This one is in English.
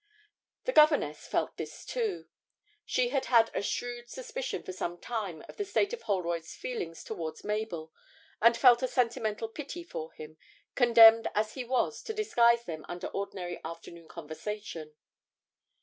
The governess felt this too. She had had a shrewd suspicion for some time of the state of Holroyd's feelings towards Mabel, and felt a sentimental pity for him, condemned as he was to disguise them under ordinary afternoon conversation.